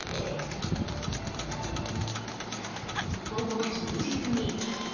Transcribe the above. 午後１０時すぎ。